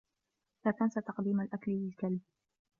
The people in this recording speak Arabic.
لا تنس تقديم الأكل للكلب.